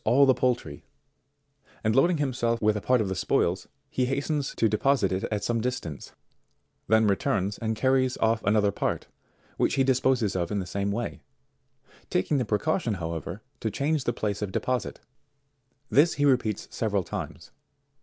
all the poultry, and loading himself with a part of the spoils, he hastens to deposite it at some distance, then returns, and carries off another part, which he disposes of in the same way, taking the precaution however to change the place of deposite. This he repeats several times.